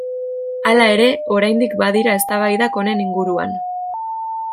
Hala ere oraindik badira eztabaidak honen inguruan.